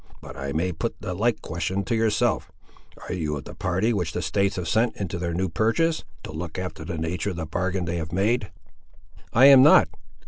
But I may put the like question to yourself. Are you of the party which the States have sent into their new purchase, to look after the natur' of the bargain they have made?" "I am not.